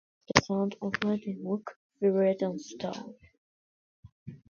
The sound of landing woke Fereydun stone.